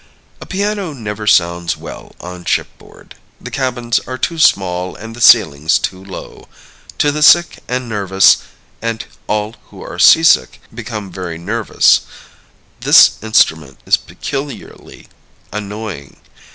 A piano never sounds well on shipboard the cabins are too small and the ceilings too low. To the sick and nervous (and all who are seasick become very nervous) this instrument is peculiarly annoying.